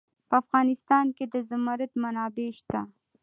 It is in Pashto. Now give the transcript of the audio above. په افغانستان کې د زمرد منابع شته.